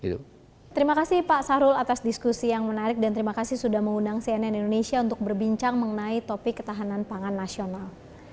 terima kasih pak sarul atas diskusi yang menarik dan terima kasih sudah mengundang cnn indonesia untuk berbincang mengenai topik ketahanan pangan nasional